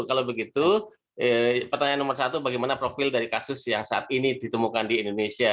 kalau begitu pertanyaan nomor satu bagaimana profil dari kasus yang saat ini ditemukan di indonesia